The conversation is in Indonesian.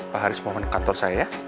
pak haris mohon ke kantor saya ya